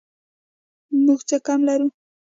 موږ څه کم لرو؟